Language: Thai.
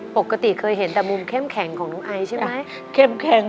ปกติเคยเห็นแต่มุมเข้มแข็งของน้องไอซ์ใช่ไหมเข้มแข็ง